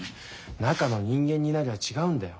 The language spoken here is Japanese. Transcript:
中の人間になりゃ違うんだよ。